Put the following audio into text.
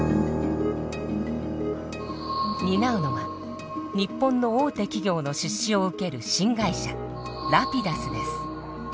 担うのは日本の大手企業の出資を受ける新会社ラピダスです。